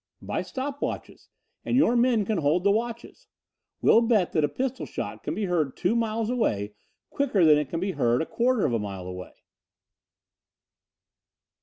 "By stop watches, and your men can hold the watches. We'll bet that a pistol shot can be heard two miles away quicker than it can be heard a quarter of a mile away."